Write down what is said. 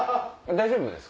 大丈夫です。